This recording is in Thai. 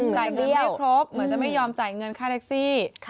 จ่ายเงินให้ครบเหมือนจะไม่ยอมจ่ายเงินค่าแท็กซี่